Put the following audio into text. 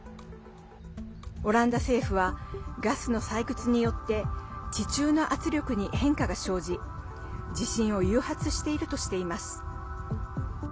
オランダ政府はガスの採掘によって地中の圧力に変化が生じ地震を誘発しているとしています。